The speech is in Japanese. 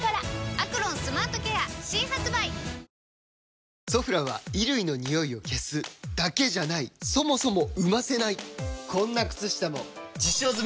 「アクロンスマートケア」新発売！「ソフラン」は衣類のニオイを消すだけじゃないそもそも生ませないこんな靴下も実証済！